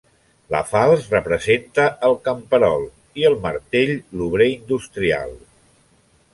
La falç representa el camperol i el martell l'obrer industrial.